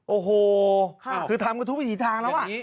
โอ้โหคือทำกันทุกวิถีทางแล้ว